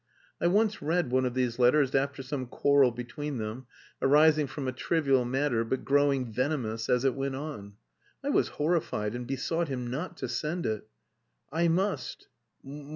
I once read one of these letters after some quarrel between them, arising from a trivial matter, but growing venomous as it went on. I was horrified and besought him not to send it. "I must...